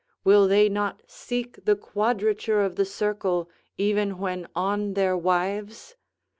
Will they not seek the quadrature of the circle, even when on their wives?